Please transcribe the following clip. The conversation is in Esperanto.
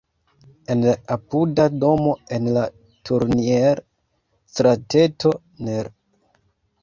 En apuda domo en la Turnier-strateto nr.